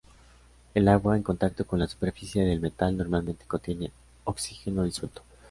El agua en contacto con la superficie del metal normalmente contiene oxígeno disuelto.